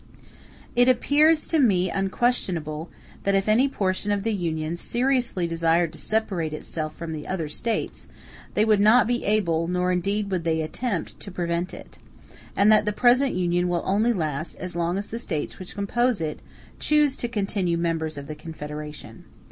It appears to me unquestionable that if any portion of the Union seriously desired to separate itself from the other States, they would not be able, nor indeed would they attempt, to prevent it; and that the present Union will only last as long as the States which compose it choose to continue members of the confederation.